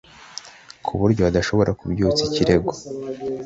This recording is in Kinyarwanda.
ku buryo adashobora kubyutsa ikirego"